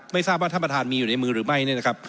ไม่ทรัพย์มีอยู่ในมือหรือไม่